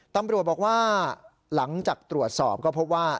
ตำรวจบอกว่าหลังจากตรวจสอบก็พบว่า